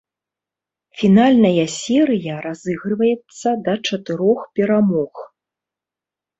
Фінальная серыя разыгрываецца да чатырох перамог.